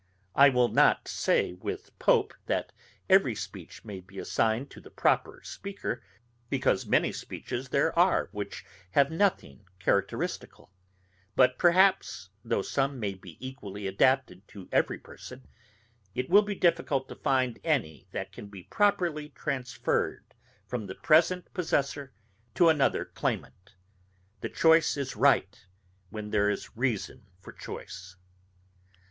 I will not say with Pope, that every speech may be assigned to the proper speaker, because many speeches there are which have nothing characteristical; but perhaps, though some may be equally adapted to every person, it will be difficult to find any that can be properly transferred from the present possessor to another claimant. The choice is right, when there is reason for choice.